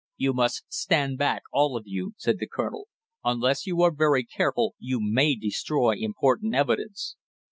"You must stand back, all of you!" said the colonel. "Unless you are very careful you may destroy important evidence!"